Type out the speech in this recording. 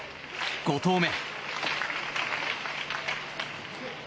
５投目。